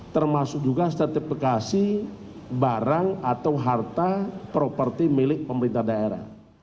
termasuk juga sertifikasi barang atau harta properti milik pemerintah daerah